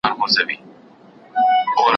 زه کولای سم تمرين وکړم!؟